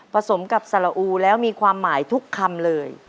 สมกับสารอูแล้วมีความหมายทุกคำเลย